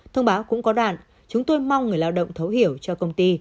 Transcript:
thông báo cũng có đoạn chúng tôi mong người lao động thấu hiểu cho công ty